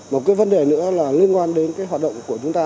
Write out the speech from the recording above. một vấn đề nữa là liên quan đến hoạt động của chúng ta